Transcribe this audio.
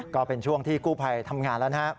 ก็เป็นช่วงที่กู้ภัยทำงานแล้วนะครับ